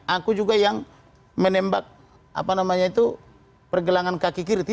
aku juga yang menembak pergelangan kaki kiri